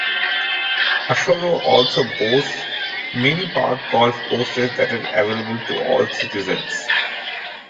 Ashoro also boasts many park golf courses that are available to all citizens.